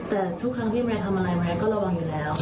แต่ทุกครั้งที่แมรนด์ทำอะไรแมรนด์ก็ระวังอยู่แล้ว